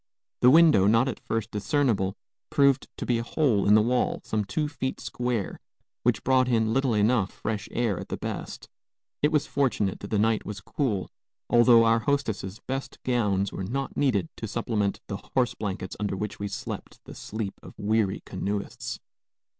The window, not at first discernible, proved to be a hole in the wall, some two feet square, which brought in little enough fresh air, at the best. It was fortunate that the night was cool, although our hostess's best gowns were not needed to supplement the horse blankets under which we slept the sleep of weary canoeists.